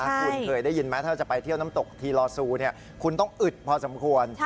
คุณเคยได้ยินไหมถ้าจะไปเที่ยวน้ำตกทีลอซูคุณต้องอึดพอสมควร